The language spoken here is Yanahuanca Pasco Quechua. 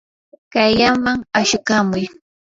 kayllaman ashukamuy.